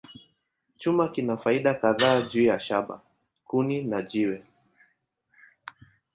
Chuma kina faida kadhaa juu ya shaba, kuni, na jiwe.